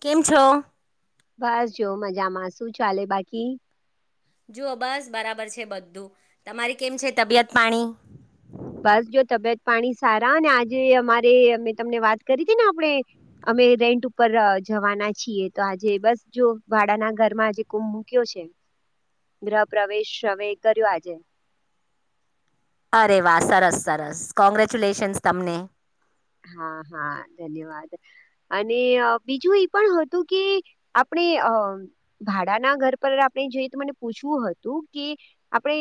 કેમ છો. બસ જો, મજામાં શું ચાલે બાકી જુઓ બસ બરાબર છે, બધું તમારી કેમ છે તબિયત પાણી બસ, જો તબિયત પાણી સારા અને આજે અમારે અમે તમને વાત કરી હતી, ને આપણેે અમે રેન્ટ ઉપર જવાના છીએ, તો આજે બસ જો ભાડાના ઘરમાં આજે કો મૂક્યો છે. ગ્રહ, પ્રવેશ હવે કર્યો આજે અરે વાહ સરસ, સરસ કોંગ્રેચ્યુલેશન્સ તમને હા, હા ધન્યવાદ અને બીજું એ પણ હતું કે આપણે ભાડાના ઘર પર આપણે જોઈએ, તો મને પૂછવું હતું કે આપણે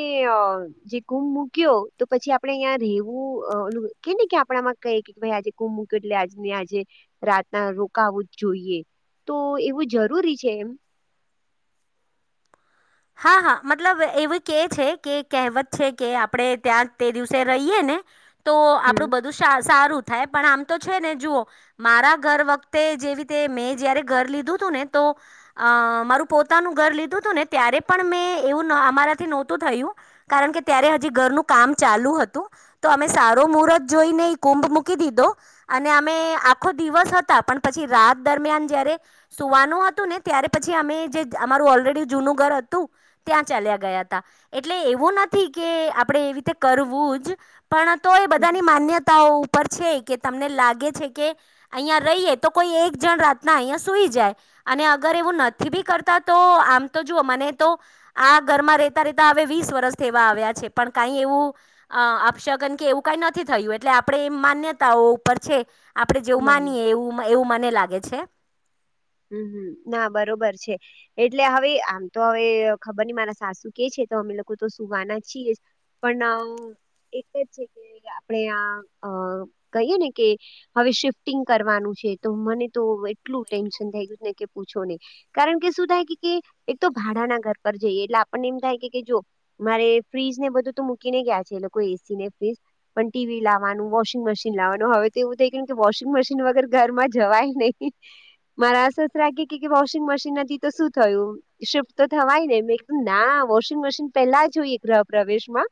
જે કુમ મૂક્યો, તો પછી આપડે અં રેવું કે કે આપણામાં કઈક કે ભાઈ આજે, કો મૂક એટલે આજ આજે રાતના રોકાવું જ જોઈએ તો એવું જરૂરી છે, એમ હા, હા મતલબ એવું કે છે, કે કહેવત છે, કે આપણે ત્યાં તે દિવસે રહીયએ ને તો હમ આપડું બધું, સારું થાય પણ આમ તો છે, ને જુઓ મારા ઘર વખતે જેવીીતે મેં જયારે ઘર લીધું હતું, ને તો અ મારું, પોતાનું ઘર લીધું હતું ને ત્યારે પણ મેં એવું અમારાથી નહોતું થયું, કારણ કે ત્યારે હજી ઘરનું કામ ચાલુ હતું તો અમે સારો મુહૂર્ત જોઈને, કુંભ મૂકી દીધો અને અમે આખો દિવસ હતા પછી રાત દરમિયાન જયારે સુવાનું હતું ને, ત્યારે પછી અમે જે અમારું ઓલરેડી જૂનું ઘર હતું, ત્યાં ચાલ્યા ગયા હતા એટલે એવું નથી કે આપણે એવી રીતે કરવું પણ, તો એ બધાની હમ. માન્યતાઓ ઉપ છે, કે તમને લાગે છે, કે અહીંયા રહીએ તો કોઈ એક જણ રાતના અહિયાં સુઈ જાય અને અગર એવું નથી, બી કરતા તો આમ જુઓ, મને તો આ ઘરમાં રેતા રેતા હવે વીસ વર્ષ થવા આવ્યા છે, પણ કઈ એવું અ આપશ કેન કે એવું કઈ નથી, થયું એટલે આપડે એ માન્યતાઓ ઉપર છે. આપડણે જેવું માને માનીએ એવું, એવું મને લાગે છે. હમ, હમ ના બરોબર છે, એટલે હવે આમ તો હવે ખબર નઈ મારા સાસુ કે છે. તો અમે લોકો તો સુવાના છીએ, પણ એક જ છે, કે આપણે આ કહીએ ને કે હવે શિફ્ટિંગ કરવાનું છે. તો મને તો એટલું ટેન્ પૂછો નહી, કારણ કે શું થાય એક તો ભાડાના ઘર પર જઈએ એટલે આપને એમ થાય જો મારે ફ્રીજ ને બધું, તો મૂકી ને ગયા છે, એ લોકો એસી ને ફ્રીજ પણ ટીવી લાવવાનું વોશિંગ મશીન લાવવાનું હવે તો એવું થઈ ગયું કે વોશિંગ મશીન વગર ઘરમાં જવાય નહી. મારા સસરા ગે કે વોશિંગ મશીન હતી તો શું થયું શિફ્ટ તો થવાય ને ના વોશિંગ મશીન પેલા જોઈએ ગ્રહ પ્રવેશમાં.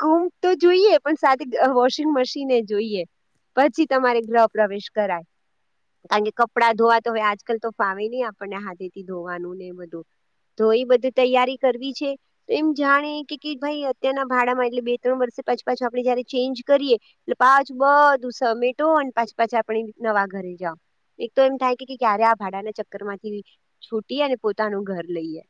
ક તો જોઈએ પણ સાથે વોશિંગ મશીને જોઈએ. પછી, તમારે ગ્રહ પ્રવેશ કરાય, કારણ કે કપડા ધોવા તો હવે આજકાલ તો ફાવે નહી, આપણને હાથે થી ધોવાનું ને બધું. તો એ બધી તૈયારી કરવી છે, તો એમ જાણે કે ભાઈ અત્યારના ભાડા માં એટલે બે ત્રણ વર્ષ પાછ પાછું આપણે જયારે ચેન્જ કરીએ, એટલે પાચું બધું સમેટો પાછ પાછ આપ નવા ઘર. એક તો એમ થાય ક્યારે આ ભાડાના ચક્કર માંથી છૂટીએ, અને પોતાનું ઘર લઈએ.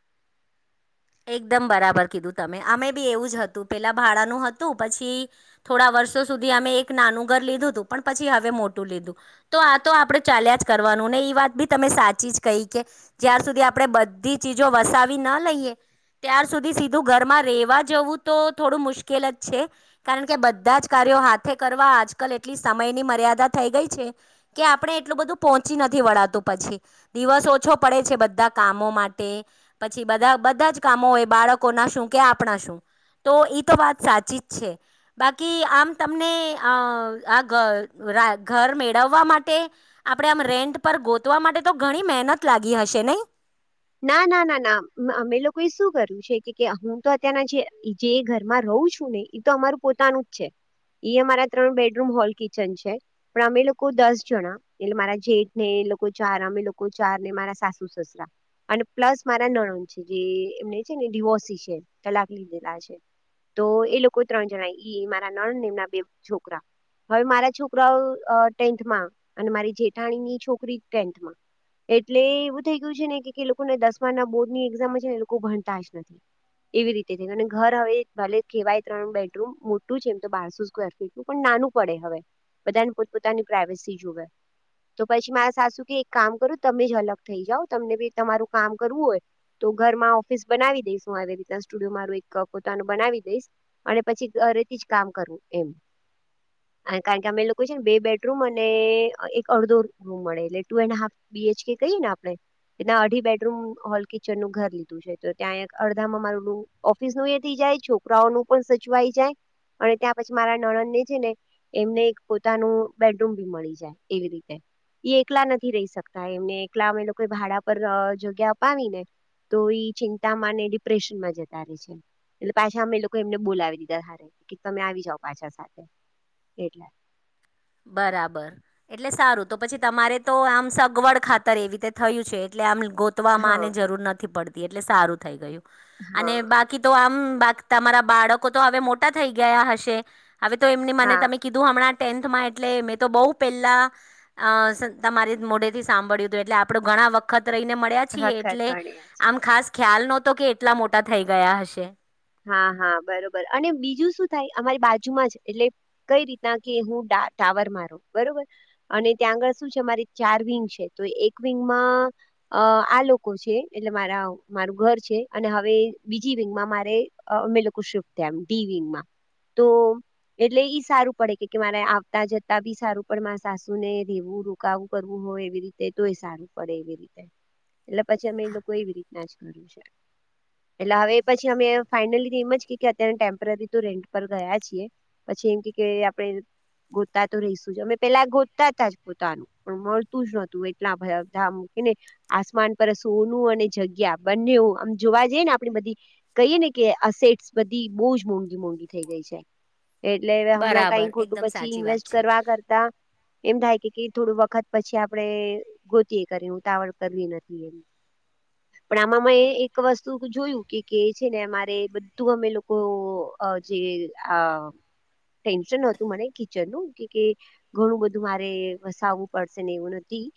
[inaudible] એકદમ બરાબર કીધું તમે અમે બી એવું જ હતું પેલા ભાડાનું હતું, પછી થોડા વષો સુધી અમે એક નાનું ઘર લીધું હતું પણ પછી હવે મોટું લીધું, તો આ તો આપડે ચાલ્યા જ કરવાનું. ને એ વાત ભી તમે સાચી જ કહી, કે જ્યાર સુધી આપણે બધી ચીજો વસાવી ના લઈએ. ત્યાર સુધી સીધું ઘરમાં રેવા જવું તો થોડું મુશ્કેલ જ છે, કારણ કે બધા જ કાર હાથે કરવા આજકાલ એટલી સમયની મર્યાદા થઈ ગઈ છે, કે આપણે એટલું બધું પહોંચી નથી વળતું પછી, દિવસ ઓછો પડે છે બધા કામો માટે, પછી બધા બધા જ કામો હોય બાળકોના શું કે આપણા શું. તો ઇ તો વાત સાચી જ છે, બાકી આમ તમને આ ઘર મેળવવા માટે, આપણે આમ રેન્ટ પર ગોતવા માટે તો ઘણી મહેનત લાગી હશે ને. નહીં? ના ના ના ના અમે લોકો એ શું કર્યું છે કે હું તો અત્યારના જે જે ઘરમાં રહુ હું શું નહી તો અમારું પોતાનું જ છે. એઈ અમારા ત્રણ બેડરૂમ હોલ કિચન છે, પણ અમે લોકો દસ જણા, એટલે મારા જેઠ ને અ લોકો ચાર અમે લોકો ચાર ને મારા સાસુ સસરા. અને પ્લસ મારા નણદ છે જે એમને છે ને ડિવોસી છે તલાક લીધેલા છે. તો એ લોકો ત્રણ જણા ઈ મારા નણન ને એમના બે છોકરા. હવે મારા છોકરાઓ ટેન્થમાં અને મારી જેઠાણીની છોકરી ટેન્થમાં. એટલે એવું થઇ ગયું છે ને કે લોકોને દસમાના બોર્ડ ની એક્ઝામ છે ને એ લોકો ભણતા જ નથી. એવી રીતે થઈ અને ઘર હવે ભલે કેવાય ત્રણ બેડરૂમ મોટું છે એમ તો બારસો સ્વેર ફીટ પણ નાનું પડે, હવે બધાને પોતપતાની પ્રાઇવેસી જોવે. તો પછી મા સાસું કે એક કામ કરું તમે જ અલગ થઈ જાઓ તમને ભી તમારું કામ કરવું હોય તો ઘર માં ઓફિસ બનાવી દઈશું, આવી રીતના સ્ટુડિયો મારું એક પોતાનું બનાવી દઈશ, અને પછી ઘરેથી જ કામ કરવું એમ. કારણ કે અમે એ લોકો છે ને બે બેડરૂમ અને એક અડધો રૂમ મળે એટલે ટુ એન્ડ હાફ. બીએચ કે કહી ને આપણે એના અઢી બેડરૂમ હોલ કિચનનું ઘર લીધું છે તો ત્યાં અડધામાં મારું ઓફિસ ન એથી જાય, છોકરાઓનું પણ સચવાઈ જાય. અને ત્યાં પછી મારા નણન ને છે ને એમને એક પોતાનું બેડરૂમ ભી મળી જાય એવી રીતે એ એકલા નથી રહી શકતા એમને એકલા અમે લોકો ભાડા પર જગ્યા અપાવી ને. તો ઈ ચિંતામાં અને ડિપ્રેશનમાં જતા રહે છે. એટલે પાછા અમે એ લોકો એમને બોલાવી લિધા, કે તમે આવી જાઓ પાછા સાથે. એટલે બરાબર, એટલે સારું તો પછી તમારે તો આમ સગવડ ખાતર એવી રીતે થયું છે એટલે આમ ગોતવામાંને હા જરૂર નથી પડતી એટલે સારું થઈ ગયું, અને હા બાકી તો આમ બા તમારા બાળકો તો હવે મોટા થઈ ગયા હશે, હવે તો એમને મને હા તમે કીધું હમણાં ટેન્થમાં એ એટલે મેં તો બહુ પહેલા, તમારી મોઢેથી સાંભળ્યું હતું એટલે આપણું ઘણા વખત રહીને મળ્યા છીએ વખત એટલે ભણ્યા છે આમ ખાસ ખ્યાલ નતો કે એટલા મોટા થઈ ગયા હશે. હા હા બરોબર અને બીજું શું થાય અમારી બાજુમાં જ એટલે કઈ રીતના કે હું ટાવર મારો બરોબર, અને ત્યાં આગળ શું છે મારે ચાર વિંગ છે તો એક વિંગમાં અ આ લોકો છે એટલે મારા મારું ઘર છે અને હવે બીજી વિંગમાં મારે અમે લોકો શિફટ થયા એ તો એટલે ઈ સારું પડે કે મારે આવતા જતા ભી સારું પડે મારા સાસુ ને રેવું રોકાવું કરવું. હોય એવી રીતે તોય સારું પડે એવી રીતે એટલે પછી અમે એ લોકો એવી રીતના જ કર્યું છે એટલે હવે એ પછી અમે ફાઇનલી એમ જ કે અત્યારે ટેમ્પરરી તો રેન્ટ પર ગયા છીએ પછી એમ કે આપણે ગોતા તો રહીશું અમે પેલા ગોતાતા જ પોતાનું પણ મળતું જ નોતું એટલાધા એને આસમાન પર સોનું અને જગ્યા બંને આમ જોવા જઈએ ને આપણી બધી કહીએ ને કે અસેટ્સ બધી બહુ જ મોંઘી મોંઘી થઇ ગઈ છે. એટલે હમણાં કઈ બરાબર ખોટું એકદમ પછી સાચી વાત ઇન્વેસ્ટ છે કરવા કરતા એમ થાય કે કે થોડું વખત પછી આપણે ગોતીએ કરી હું ઉતાવળ કરવી નથી એવી પણ આમાં મે એક વસ્તુ જોયું કે કે છે ને અમારે તે બધું અમે લોકો જે આ ટેન્શન નતું મને કિચન નું કે ઘણું બધું મારે વસાવવું પડશે ને એવું નથી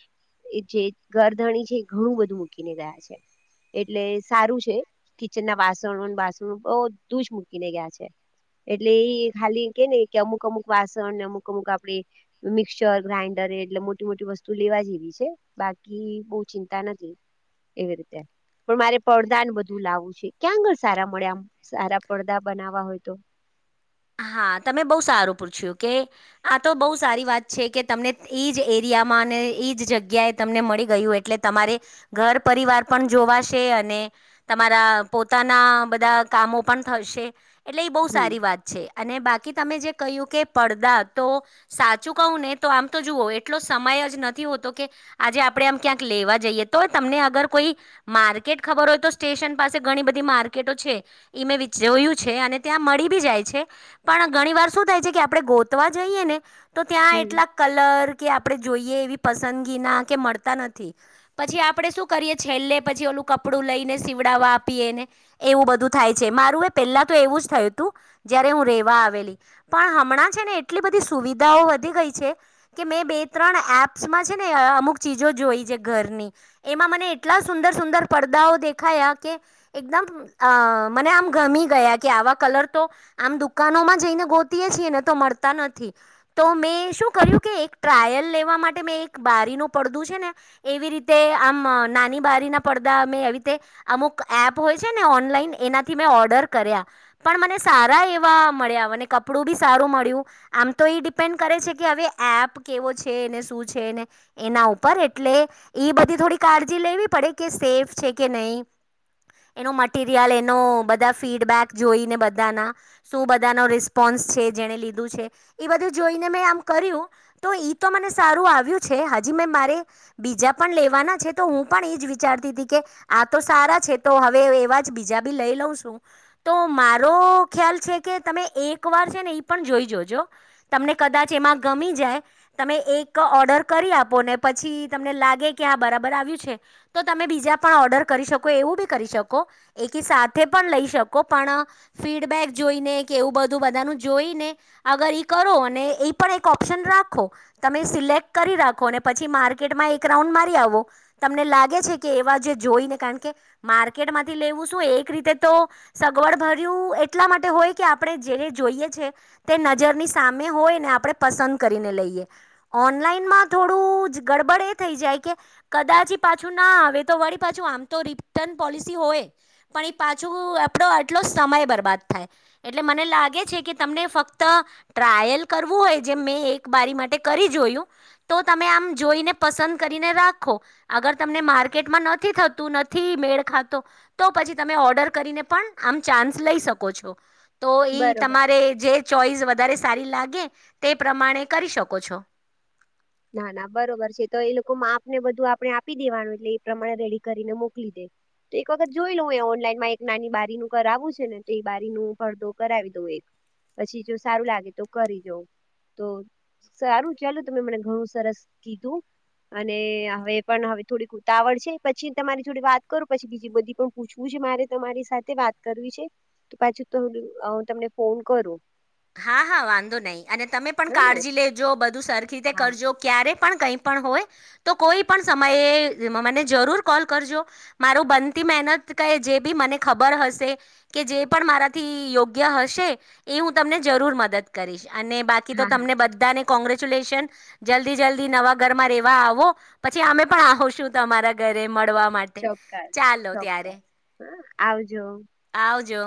એ જે ઘરધણી છે એ ઘણું બધું મૂકીને ગયા છે. એટલે સારું છે કિચન ના વાસણ બાસણ બહદૂ જ મૂકીને ગયા છે. એટલે એ ખાલી કે ને કે અમુક અમુક વાસણને અમુક અમુક આપડે મિક્સચર ગ્રાઇન્ડર એટલે મોટી મોટી વસ્તુ લેવા જેવી છે બાકી બો ચિંતા નથી. એવી રીતે પણ મારે પડદાન બધું લાવું છે ક્યાં કરશે સારા મળ્યામ સારા પડદા બનાવા હોય તો હા તમે બહુ સારું પૂછ્યું કે આ તો બહુ સારી વાત છે કે તમને એ જ એરિયા અને એજ જગ્યાએ તમને મળી ગયું એટલે તમારે ઘર પરિવાર પણ જોવાશે અને તમારા પોતાના બધા કામો પણ થશે એટલે એ બહુ હમ સારી વાત છે અને બાકી તમે જે કહ્યું કે પડદા તો સાચું કહું ને તો આમ તો જુઓ એટલો સમય જ નથી હો તો કે આજે આપણે આમ ક્યાંક લેવા જઈએ તો તમને અગર કોઈ માર્કેટ ખબર હોય તો સ્ટેશન પાસે ઘણી બધી માર્કેટો છે ઈ મે જોયું છે અને ત્યાં મળી બી જાય છે. પણ ઘણી વાર શું થાય છે કે આપણે ગોતવા જઈએ ને તો ત્યાં હમ એટલા કલર કે આપણે જોઈએ એવી પસંદગી ના કે મળતા નથી પછી આપડે શું કરીએ છેલ્લે પછી ઓલું ક કપડું લઈને સીવડાવવા આપીએને એવું બધું થાય છે મારું એ પેલા તો એવું જ થયું તું જયારે હું રેવા આવેલી પણ હમણાં છે ને એટલી બધી સુવિધાઓ વધી ગઈ છે કે મેં બે ત્રણ એપ્સમાં છે ને અમુક ચીજો જોઈ છે ઘરની એમાં મને એટલા સુંદર સુંદર પડ બધા [unintelligible] દેખાયા કે એકદમ મને આમ ગમી ગયા કે આવા કલર તો આમ દુકાનોમાં જઈને ગોતીયે છીએ ને તો મળતા નથી તો મેં શું કર્યું કે એક ટ્રાયલ લેવા માટે મેં એક બારીનું પડદું છે ને એવી રીતે આમ નાની બારી ના પડદા મે એવી રીતે અમુક એપ હોય છે, ને ઓનલા એનાથી મેં ઓર્ડર કર્યા પણ મને સા એવા મળ્યા કપડું બી સારું મળ્યું આમ તો એ ડિપેન્ડ કરે છે કે હવે એપ કેવો છે અને શું છે એના ઉપર એટલે ઈ બધી થોડી કાળજી લેવી પડે કે સેફ છે કે નહી એનો મટરિયલ એનો બધા ફીડબેક જોઈને બધાના શું બધાનો રિસ્પોન્સ છે જેને લીધું છે એ બધું જોઈને મેં આમ કર્યું તો મ સારું આવ્યું છે હ મે મારે બીજા પણ લેવાના છે તો હું પણ એજ વિચારતી કે આ તો સારા છે તો હવે એવા જ બીજા બી લઈ લઉં છું તો મારો ખ્યાલ છે કે તમે એક વાર છે ને એ પણ જોઈ જોજો તમને કદાચ એમાં ગમી જાય તમે એક ઓર્ડર કરી આપો ને પછી તમને લાગે કે આ બરાબર આવ્યું છે તો તમે બીજા પણ ઓર્ડર કરી શકો એવું બી કરી શકો એક સાથે પણ લઈ શકો પણ ફીડ ફીડબેક જોઈને કે એવું બધું બધાનું જોઈને અગર ઈ કરો એ પણ એક ઓપ્શન રાખો તમેં સિલેક કરી રાખો ને પછી માર્કેટમાં એક રાઉન્ડ મારી આવો તમને લાગે છે કે જોઈ ને કારણ કે માર્કેટ માંથી લેવું શું એક રીતે તો સગવડ ભર્યું એટલા માટે હોય કે આપણે જે જોઈએ છે તે નજરની સામે હોય ને આપણે પસંદ કરીને લઈએ ઓનલાઇનમાં થોડું જ ગડબડ એ થઈ જાય કે કદાચ પાછું ના આવે તો વળી પાછું આમ તો રિટર્ન પોલિસી હોય પણ એ પાછું આપડો આટલો સમય બરબાદ એટલે મને લાગે છે, કે તમને ફક્ત ટ્રાયલ કરવું હોય જેમ મેં એક બારી મા ટે કરી જોયું તો તમે આમ જોઈને પસંદ કરીને રાખો અગર તમને માર્કેટમાં નથી થતું નથી મેળ ખાતો તો પછી તમે ઓર્ડર કરીને પણ આમ ચાન્સ લઈ શક કો છો તો ઈ બરોબર છે તમારે જે ચોઈસ વધારે સારી લાગે તે પ્રમાણે કરી શકો છો. ના ના બરોબર છે, તો એ લોકો માપ ને બધું આપણે આપી દેવાનું એટલે એ પ્રમાણે રેડી કરીને મોકલી દે. તો એક વખત જોઈ લઉ ઓનલાઈનમાં એક નાની બારી નું કરાવું છે, ને તો બારી નો પડદો કરાવી દઉ. પછી જો સારું લાગે તો કરી દવ તો સારું ચાલો તમે મને બોવ સરસ કીધું અને હવે પણ હવે થોડીક ઉતાવળ છે, પછી તમારી થોડી વાત કરું પછી બીજી બધી પણ પૂછવું છે મારે તમારી સાથે વાત કરવી છે, તો પાછું [inaudible] તમને ફોન કરું હા હા વાંધો નહી અને તમે પણ હ ને કાળજી લેજો બધું સરખી રીતે હા કરજો ક્યા રે પણ કઈ પણ હોય તો કોઈ પણ સમયે મને જરૂર કોલ કરજો મારું બંધ તી મહેનત કે જે બી મને ખબર હશે કે જે પણ મારાથી યોગ્ય હશે એ હું તમને જરૂર મદદ કરીશ અને બાકી તો હા હા તમને ચો બધાને કોંગ્રેચ ચ્યુલેશન જલ્દી જલ્દી નવા ઘરમાં રેવા આવો પછી અમે પણ આહોશું છું તમારા ઘરે. મળવા માટે ચોક્કસ ચાલો ત્યારે ચોક્કસ હ આવજો. આવ જો.